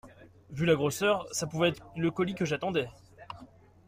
Vu la grosseur, ça pouvait être le colis que j’attendais.